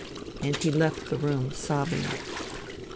And he left the room, sobbing.